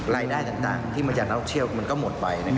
รายได้ต่างที่มาจากนักท่องเที่ยวมันก็หมดไป